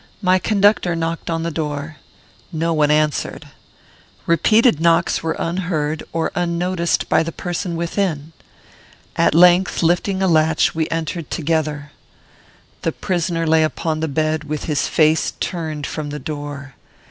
My conductor knocked at the door. No one answered. Repeated knocks were unheard or unnoticed by the person within. At length, lifting a latch, we entered together. The prisoner lay upon the bed, with his face turned from the door.